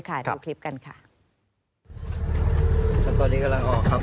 กระจกแตกว่าพี่จะซ่องได้